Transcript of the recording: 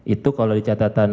itu kalau di catatan